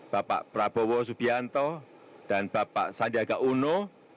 bapak prabowo subianto dan bapak sandiaga uno